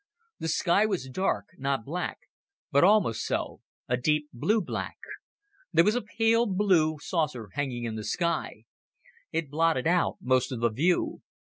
The sky was dark, not black, but almost so a deep, blue black. There was a pale blue saucer hanging in the sky. It blotted out most of the view.